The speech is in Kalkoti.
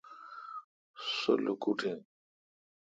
سو لوکوٹ این۔